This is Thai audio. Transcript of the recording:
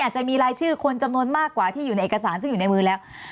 จะมีรายชื่อคนจำนวนมากกว่าที่อยู่ในเอกสารซึ่งอยู่ในมือแล้ว